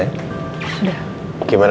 biba luar biasa ya